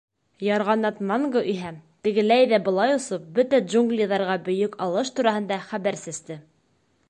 Ярғанат Манго иһә, тегеләй ҙә былай осоп, бөтә джунглиҙарға бөйөк алыш тураһында хәбәр сәсте.